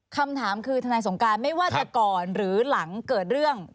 คำถามคือทนายสงการไม่ว่าจะก่อนหรือหลังเกิดเรื่อง